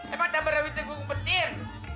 emang cabar awitnya gugup petir